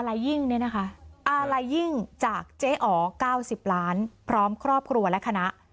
ระบุชื่ออารายิ่งจากเจ๊อ๋อ๙๐ล้านพร้อมครอบครัวและคณะ